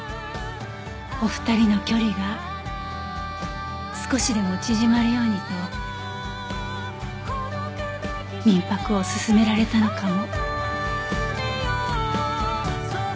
お二人の距離が少しでも縮まるようにと民泊を勧められたのかも。